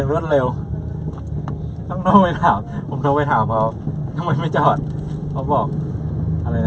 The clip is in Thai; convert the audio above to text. เมื่อกี้ผมหามากเลย